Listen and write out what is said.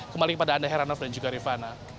kembali kepada anda heranov dan juga rifana